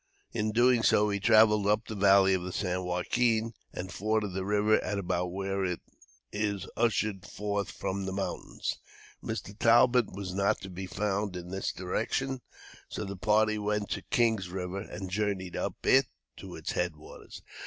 In doing so, he traveled up the valley of the San Joaquin, and forded that river at about where it is ushered forth from the mountains. Mr. Talbot was not to be found in this direction, so the party went to Kings River, and journeyed up it to its head waters.